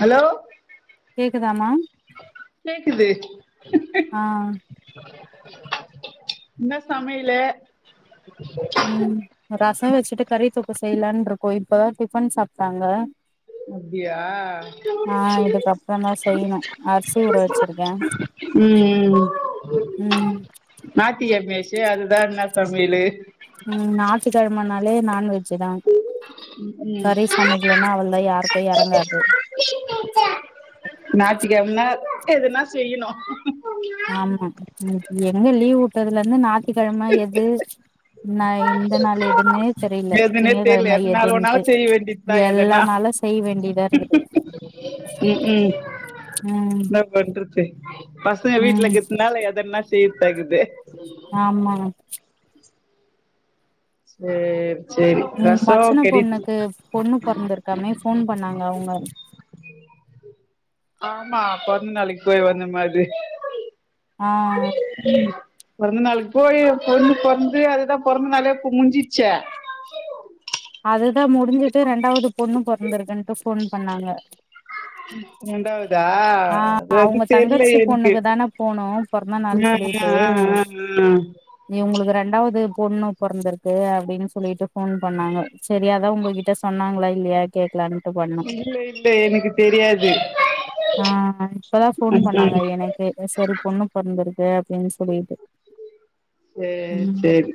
hello கேக்குதாமா கேக்குது ஆ இன்னா சமைய்லு ம் ரசோ வச்சுட்டு கறி தொக்கு செய்யலான்னு இருக்கோ இப்பதா டிபன் சாப்டாங்க அப்படியா ஆ இதுக்கப்பறோ தா செய்யிணு அர்சி ஊற வச்சிருக்கே ம் ம் ம் ம் ஞாத்திக்கெழமையாச்சே அதுதா இன்னா சமையலு ம் ஞாத்திக்கெழமனாலே நான்வெ ஜ்ஜி தா ம் கறி சமைக்கலன்னா அவ்ளதா யாருக்கு இறங்காது ஞாத்திக்கெழம்னா எதுனா செய்யணு ஆமா ம் எங்க லீவ் உட்டதுலருந்து ஞாத்திக்கெழம எது நா இந்த நாள் எதுன்னு தெரியில எதுனே திங்க தெரியல கெழம எதனால எதுன்ட்டு ஒன்னாலும் செய்ய வேண்டியதுதான் எல்லா எதனா நாளு செய்ய வேண்டியதா இருக்குது ம் ம்ஹ்ம் [unintelligible] பண்றது பசங்க வீட்டுல ம் இருக்குறதுனால எதல்லா செய்யதாக்குது ஆமாங்க செர் செரி ம் ரசோ மச்சின கறிச் பொண்ணுக்கு பொண்ணு பொறந்திருக்காமே ஃபோன் பண்ணாங்க அவுங்க ஆமா பொறந்தநாளைக்கி போய் வந்தமே அது ஆ பொறந்த நாளைக்கு போய் பொண்ணு பொறந்து அதுதா பொறந்த நாளே முடிஞ்சிச்சே [inaudible] அதுதா முடிஞ்சிட்டு ரெண்டாவது பொண்ணு பொறந்துருக்குண்டு ஃபோன் பண்ணாங்க ம் ரெண்டாவத் தா ஆ இதுவரைக்கு அவங்க தெரில தங்கச்சி எனக்கு பொண்ணுக்கு தான போனோ பொறந்த நாள் ஆ ஆ ஆ ஆ ம் இவுங்களுக்கு ரெண்டாவது பொண்ணு பொறந்திருக்கு அப்டின்னு சொல்லிட்டு ஃபோன் பண்ணாங்க செரி அதா உங்ககிட்ட சொன்னாங்ளா இல்லையா கேக்லானு இல்ல இல்ல எனக்கு தெரியாது ஆ இப்பதா ஃபோன் பண்ணாங்க எனக்கு சரி பொண்ணு பொறந்துர்க்கு அப்டின் சொல்லிட்டு சேரி ம் சேரி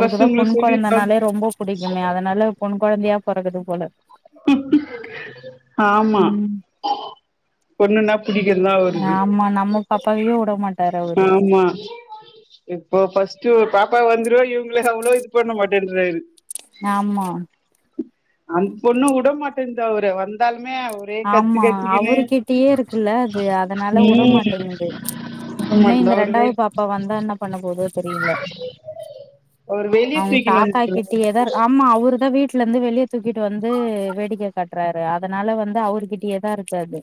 ஃபஸ்ட்டு பொண் உங்களுக்கு சொல்லிருப்பாங்க கொழந்தனாலே ரொம்ப புடிக்குமே அதனால பொண் கொழந்தையா பொறக்குது போல ஆமா ம் பொண்ணுன்னா புடிக்குல அவருக்கு ஆமா நம்ம பாப்பாவையே உட மாட்டாரு அவரு ஆமா இப்போ ஃபர்ஸ்ட் ஒர் பாப்பா வந்துடுவ இவ்ங்ளே அவ்ளோ இது பண்ண மாட்டேன்றாரு ஆமா அந்த் பொண்ணு உடமாட்டேந்து அவர வந்தாலுமே ஒரே கத்து ஆமா கத்திக்கின்னு அவரு கிட்டயே இருக்குல்ல அது அதனால ம் உடமாட்டேங்து இன்னு உடமாட்டுது இந்த அவரு வெ ரெண்டாவ்து பாப்பா வந்தா என்ன பண்ண போதோ தெரில அவரு வெளிய அவங் தூக்கினு தாத்தா வந்துர்றாரு கிட்டயேதாருக் ஆமா அவரு தா வீட்லருந்து வெளிய தூக்கிட்டு வந்து வேடிக்க காட்டுறாரு அதனால வந் அவருகிட்டயேதா இருக்கு அது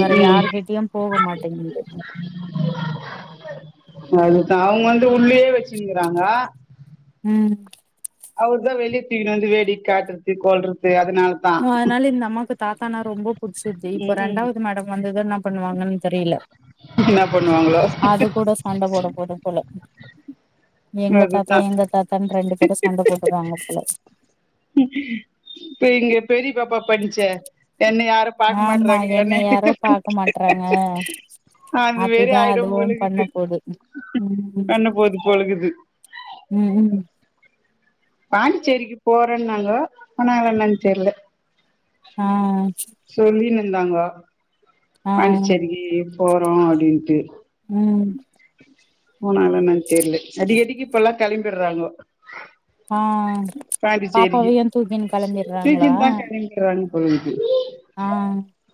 வேற ம் யாருகிட்டயு போக மாட்டேங்குது அதுதா அவங்க வந்து உள்ளயே வச்சின்னுகிறாங்க ம் அவர் தா வெளிய தூக்கின்னு வந்து வேடிக் காட்டுறது கொல்றது அதனால நோ அதனால இந்த அம்மாக்கு தாத்தானா ரொம்ப புடிச்சிருது இப்ப ம் ம் ரெண்டாவது மேடம் வந்தது என்னா பண்ணுவாங்கன் தெரில என்னா பண்ணுவாங்களோ அது கூட சண்டை போட போது போல எங்க தாத்தா அதுதா எங்க தாத்தான் ரெண்டு பேரு சண்ட போட்டுக்குவாங்க போல பெரிய பெரிய பாப்பா பன்ச்சே என்ன யாரு ஆமா பாக்கமாட்ராங்க என்ன என்னைய யாரோ பாக்க மாட்றாங்க அந் மாரி அப்டிதா ஆய்டு அதுவும் பண்ண போலக்குது போது ம் பண்ண போது பொழுகுது ம் ம் பாண்டிச்சேரிக்கு போறேன்னாங்கோ போனாங்லா என்னன் தெர்ல ஆ சொல்லினுந்தாங்கோ ஆ பாண்டிச்சேரிக்கு போறோ அப்டின்ட்டு ம் போனாங்லா என்னன் தெரில அடிக்கடிக்கு இப்பலா கெளம்பிட்றாங்கோ ஆ பாண்டிச்சேரிக்கு பாப்பாவையு தூக்கின் கெளம்பிட்றாங்களா போறேன் போயிர்து ஆ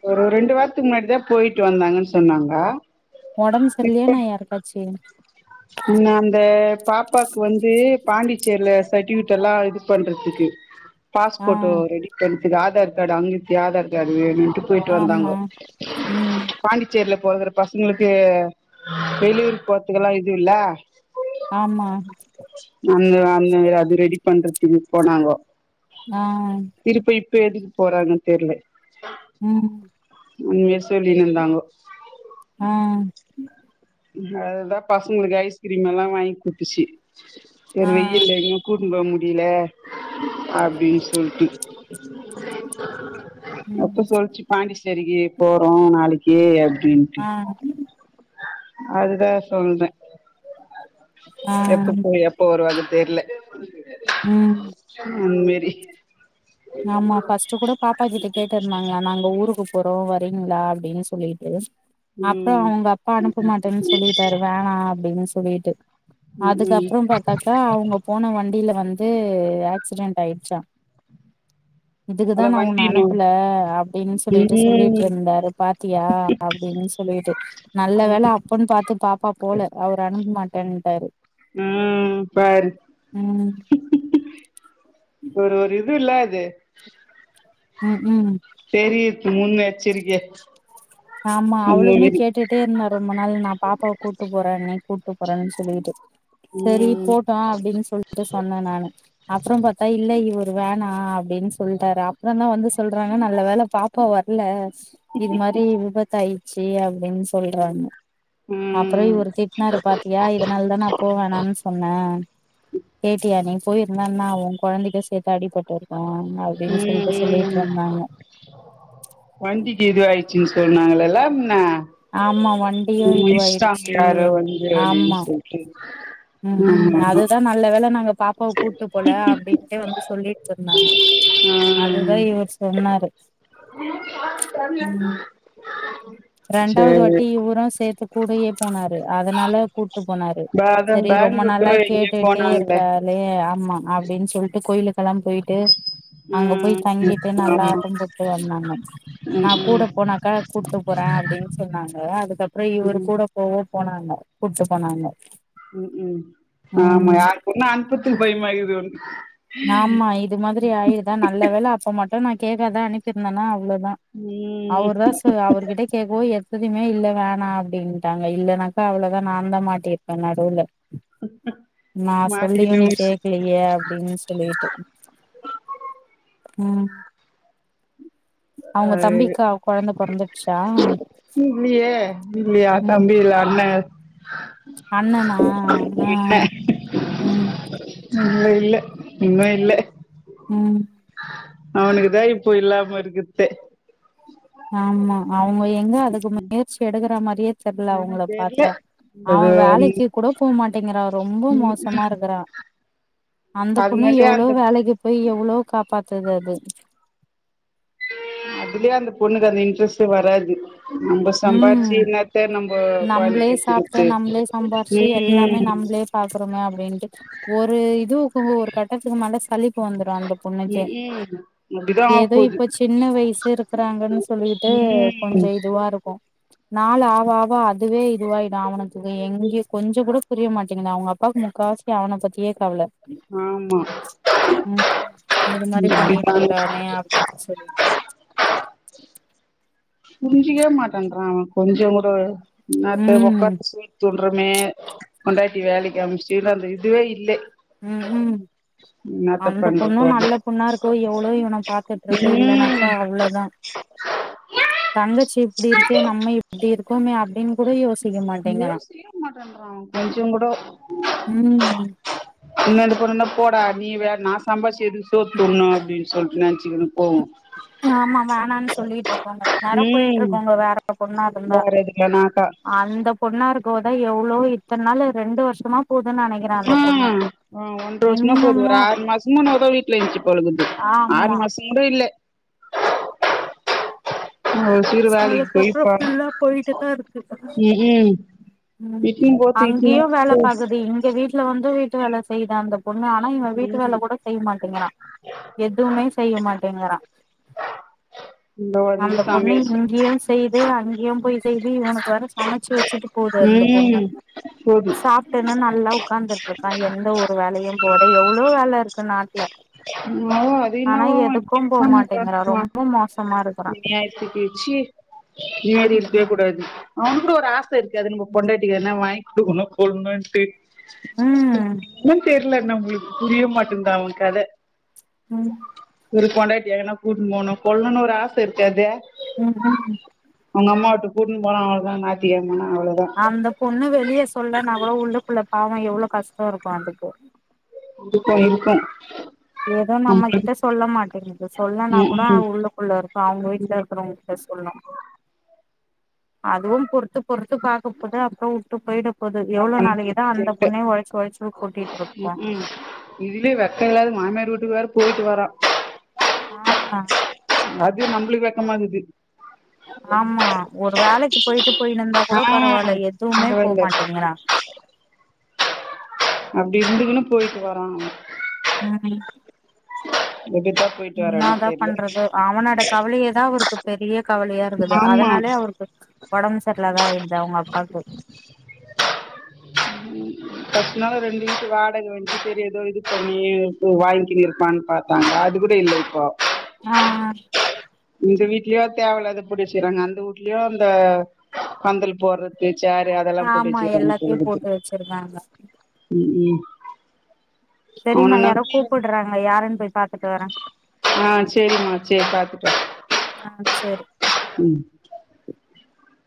போறோ ரெண்டு வார்த்க்கு முன்னாடிதா போய்ட்டு வந்தாங்கன் சொன்னாங்க உடம்பு சரியில்லயா எனா யாருக்காச்சு முன்ன அந்த பாப்பாக்கு வந்து பாண்டிச்சேர்ல சட்டிவிட்டலா இது பண்றதுக்கு ஆ பாஸ்போர்டோ ரெடிபன்துக்கு ஆதார் கார்டு அங்கித் ஆதார் கார்டு வேணுன்ட்டு போய்ட்டு ஆமா வந்தாங்கோ ம் பாண்டிச்சேரில பொறக்குற பசங்ளுக்கு வெளியூர் போர்த்துக்லா இது இல்ல ஆமா அந்த அந்த அது ரெடி பண்றத்துக்கு போனாங்கோ நான் திருப்ப இப்ப எதுக்கு போறாங்கன் தெர்ல ம் முன்னயே சொல்லின் இருந்தாங்கோ ஆ அதுதா பசங்களுக்கு ஐஸ்கிரீம் எல்லா வாங்கி குடித்துச்சி வேற ஆ வெயில் எங்கேயு கூட்டுன்னு போ முடில அப்டின் சொல்ட்டு ம் அப்ப சொல்ச்சு பாண்டிச்சேரிக்கு போறோ நாளைக்கி அப்டின்ட்டு அ ம் அதுதா சொல்றே ஆ எப்ப போய் எப்ப வருவாருன் தெர்ல ம் அந்மேரி ஆமா ஃபஸ்ட்டு கூட பாப் பா கிட்ட கேட்டிருந்தாங்கலா நாங்க ஊருக்கு போறோ வரீங்ளா அப்டின்னு சொல்லீட்டு அப்புற ம் அவுங்கப்பா அனுப்ப மாட்டன் சொல்லிட்டாரு வேணா அப்டினு சொல்லீட்டு ம் ம் அதுக்கப்புற பாத்தாக்கா அவுங்க போன வண்டில வந்து ஆக்சிடென்ட் ஆயிடுச்சா இதுக்குதா அத நா உன்ன வண்டினு அனுப்புல அப்டின் சொல்லிட்டு சொல்லிட்டு ம் இருந்தாரு பாத்தியா அப்டின் சொல்லிட்டு நல்ல வேல ம் அப்பன் பாத்து பாப்பா போல அவரு அனுப்ப மாட்டன்ட்டாரு ம் பாரு ம் ஒரு ஒரு இதுல்ல அது ம் ம் செரி இப் முன்னெச்சரிக்க ஆமா அவுளுமே கேட்டுட் ட்டே இருந்தா ரொம்ப நாள் நா பாப்பாவ கூட்டு போறேங்க கூட்டு போறங்க சொல்லிகிட்டு சேரி ம் போட்டு அப்டின் சொல் ட்டு சொன்ன நானு அப்றோ பாத்தா இல்ல இவரு வேணா அப்டின் சொல்ட்டாரா அப்றந்தா வந்து சொல்றாங்க நல்ல வேல பாப்பா வர்ல இது மாரி கட்டாயிச்சு அப்டின் சொல்றாங்க ம் அப்றோ ம் இவுரு திட்னாரு பாத்தியா இதனால்தா நா போ வேணானு சொன்னே கேட்டியா நீ போயிர்ந்தா என்ன ஆவு கொழந்தைக்கு சேத்து அடிபட் டுருக்கு அப்டினு சொல்ட்டு ம் சொல்லீட்ருந்தாங்க வண்டிக்கு இதுவாயிட்ச்சுன் சொன்னாங்கல்லலேம்மா ஆமா வன் முழிச்சிட்டாங்க யாரோ வந்து அப்டின் ஆமா சொல்ட்டு ம் ஆமா ம் ஆமா அதுதா நல்ல வேல நாங்க பாப் பாவ கூட்டு போல அப்டின்ட்டு வந்து சொல்லிட்ருந்தாங்க அது தா ம் இவர் சொன்னாரு ம் ரெண்டாவுது சேரி வாட்டி இவரு சேத்து கூடயே போனாரு அதனால கூட்டு போனாரு அதா செரி ரொம்ப பேங்களூர்க்கு நாளா எங்கயோ கேட்டுட்டே போனாங்களே இருக்காலே ஆமா அப்டின் சொல்ட்டு கோயிலுக்கெல்லா போய் ட்டு அங்க போய் ம் தங்கிட்டு நல்லா ஆமா ஆட்டம் போட்டு வந்தாங்க ம் நா கூட போனாக்கா கூட்டு போறே அப்டின் சொன்னாங்க அதுக்கப்றோ இவரு ம் ம் கூட ப்பவோ போனாங்க கூட்டு போனாங்க ம் ம் ஆமா ம் யார் கூடான அனுப்றதுக்கு பயமா இர்க்குது வந்து ஆமா இது மாதிரி ஆயிருதா நல்ல வேல அப்ப மட்டு நா கேக்காதா அனுப்பிருந்தன்னா அவ்ளோதா ம் அவரு தா சொ அவர்கிட்ட கேக்கவோ எத்திதுமே இல்ல வேணா அப்டின்ட்டாங்க இல்லன்னா க்கா அவ்ளதா நாந்தா மாட்டிருப்பே நடுல நா சொல்லியு மாட்டிக்கிட்டு நீ முழிச்சு கேக்கல யே அப்டின் சொல்லீட்டு ம் அவுங்க ஆ தம்பிக்கா கொழந்த பொறந்துடுச்சா இன்னு இல்லயே இல்லயா ம் தம்பி இல்ல அண்ண அண்ணனா ஆ இல்ல ம் இல்ல இல்ல இன்னு இல்ல ம் அவனுக்குதா இப்போ இல்லாம இருக்குறதே ஆமா அவுங்க எங்க அதுக்கு முயற்சி எடுக்குற மாரியே தெர்ல ஆ அவுங்கள தெர்ல பாத்தா அவ அது வேலைக்கு கூட போ மாட்டேங்கிறா ரொம்ப ம் மோசமா ம் இருக்கிறா அந்த பொண்ணு அதனாலயே எவ்ளோ அந்த வேலைக்கு போய் எவ்ளோ காப்பாத்துது அது அதுலயே அந்த பொண்ணுக்கு அந்த இன்ட்ரெஸ்ட்டே வராது நம்ப ம் சம்பாறிச்சு என்னத்தா நம்ப கொழந்த நம்பளே சாப்ட்டு பெத்துக்கிட்டு நம்பளே சம்பாரிச்சு எல்லாமே ம் நம்பளே பாக்குறோமே அப்டின்ட்டு ஒரு இது ஒரு கட்டத்துக்கு மேல சலிப்பு வந்துரு அந்த பொண்ணுக்கே ம்ஹும் அப்டிதா ஏதோ ஆவப்போது இப்ப சின்ன வயசு இருக்கிறாங்கன்னு சொல்லிட்டு ம் கொஞ்சோ இதுவா இருக் கு நாள் ஆவ ஆவா அதுவே இதுவாயிடு அவனுக்கு எங்கயு கொஞ்சோ கூட புரியமாட்டீங்கிது அவுங்க அப்பாவுக்கு முக்காவாசி அவன பத்தியே கவல ஆமா ம் இது மாரி பண்ணிட்டு அப்டிதா இருக்கானே அப்டின்னு சொல்லிட்டு புரிஞ்சிக்கவே மாட்டான்றா அவ கொஞ்சோ கூட என்னத்த உக்கார ம் வச்சி துன்றோமே பொண்டாட்டிய வேலைக்கு அம்ச்சிட்டு அந்த இதுவே இல்ல ம் ம் என்னாத்த அந்த பொண்ணு பண்றது நல்ல அத பொண்ணா இருக்கவு எவ்ளோ இவன பாத்துட்டு இருக்கு ம் இல்லனாக்கா அவ்ளோதா தங்கச்சி இப்படிருக்கே நம்ம இப்டி இருக்கோமே அப்டின்னு கூட யோச யோசிக்கவே மாட்டன்றா அவன் கொஞ்சோ கூடு ம் ம் இன்னு எந்த பொண்ணுனா போடா நீ வேற நா சம்பார்ச்சி எதுக்கு சோர் துண்ணோ அப்டின்னு சொல் நெனச்சுக்குனு போவு ஆமா வேணானு சொல்லிட்டு இருக்கோங்க இன்னரோ போயிட்டு ம் இருக்கோங்க வேற ஒரு பொண்ணா இருந்தா வேற எதுக்குலனாக்கா அந்த பொண்ணா இருக்கவோதா எவ்ளோ இத்தன் நாளு ரெண்டு வருஷமா போது நனைக்கற அ அ ஒன்ற வருஷமா போவுது ஒரு ஆறு மாசமா என்னவோ தா வீட்ல இருந்துச்சு போல இக்குது ஆமா முடியில ஒ சோ அதுக்கப்புறோ ஃபுல்லா போயிட்டேதா இருக்கு ம் ம் ம் இட்டுன்னு போத்து இட்டுன்னு அங்கயு வேல போ பாக்குது இங்க வீட் ல வந்து வீட்டு வேல செய்யுது அந்த பொண்ணு ஆனா இவன் வீட்டு ம் வேல கூட செய் மாட்டேங்கிறான் எதுவுமே செய்ய மாட்டேங்கிறா இந்த வந்து அந்த பொண்ணு சமையல் செய் இங்கேயு செய்து அங்கேயும் போய் செய்து இவனுக்கு வேற சமைச்சு வச்சுட்டு போது அந்த பொண்ணு ம் போதும் சாப் ட்டுன்னு நல்லா உக்காந்துட்டு இருக்கா எந்த ஒரு வேலையு போவாத எவ்ளோ வேல இருக்கு நாட்ல என்னவோ அது என்னவோ அவன் இப்டி மாட்டேங்கிறா ஒக்காந்துருக்கான் ரொம்ப மோசமா இருக்குறா அநியாயத்துக்கு ச்சீ இது மாரி இருக்கவே ம் கூடாது அவுனுக்கு கூட ஒரு ஆச இருக்காது நம்ப பொண்டாட்டிக்கு எதுனா வாங்கி குடுக்கணு கொள்னுட்டு அ இன்னு தெர்ல நம்மளுக்கு புரிய மாட்டேங்குது அவுங்க கட ம் ஒரு பொண்டாட்டிய எங்கனா கூட்டுனு போணு கொள்னோன்னு ஒரு ஆச இருக்காது ம் ம் அவுங்க அம்மா வூட்டுக்கு கூட்டுனு போனா நல்லாருக்கு நாய்த்தி கெழம அவ்ளோதா அந்த பொண்ணு வெளிய சொல்லனா கூட உள்ளுக்குள்ள பாவோ எவ்ளோ கஷ்டோ இருக்கு அதுக்கு இதுக்கு இதுக்கு ஏதோ நம்ம கிட்ட சொல்ல மாட்டேங்குது சொல்லனா கூட ம் உள்ளுக்குள்ள இருக்கு அவுங்க ம் வீட்ல இருக்கறவங்க ட சொல்னு அதுவு பொறுத்து பொறுத்து பாக்க போது அப்றோ வுட்டு போய்டு போது என்ன எவ்ளோ பண்ண போது நாளைக்குதா அந்த தெரியல பொண்ணே ஒழச்சு ஒழச்சு கொட்டிட்ருக்கு ம் ம் இதுலயே வெக்க இல்லாத மாமியார் வீட்டுக்கு வேற போயிட்டு வரா ஆ அது நம்பலுக்கு வெக்கமா இருக்குது ஆமா ஒரு வேலைக்கு போயிட்டு போய்னுந்தா கூட ஆ பரவால்ல எதுமே பரவால்ல போமாட்டேங்குரா அப்டி இருந்துக்குன்னு போயிட்டு வரா ம் ம் எப்டி பாத் என்னாதா பண்றதோ அவனோட கவலயேதா அவருக்கு பெரிய கவலயா இருக்குது ஆமா அதனாலே அவருக்கு ஒடம்பு சரிலாத ஆயிருது அவுங்க அப்பாக்கு ஃபஸ்டுனாது ரெண்டு வீட்டு வாடக வன்ச்சு சரி எதோ இது பண்ணி வாங்கினு இரு க்லான் பாத்தாங்க அது கூட இல்ல இப்போ ஆ ஆ இந்த வீட்லியு தேவலாத இப்டி செய்றாங்க அந்த வூட்லியு அந்த பந்தல் போடுற இந்த சேரு அதல்லா போட்டு ஆமா வச்சுருகாங்க எல்லாத்தையு போல்ருக்கு போட்டு வச்சிருக்காங்க ம் ம் செரி நா அவன யாரோ நம்பி கூப்புட்றாங்க யாருன் போய் பாத்துட்டு வரே ஆ சேரிம்மா சேரி பாத்துட்டு வா ஆ சேரி ம்